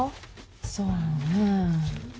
そうねぇ。